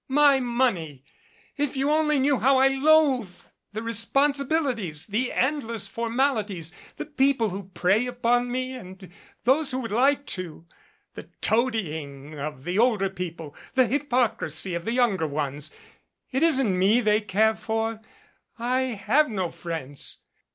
My money ! If you only knew how I loathe the responsibilities, the endless formalities, the people who prey upon me and those who would like to, the toadying of the older people, the hypocrisy of the younger ones. It isn't me that they care for. I have no friends.